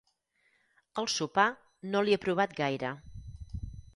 El sopar no li ha provat gaire.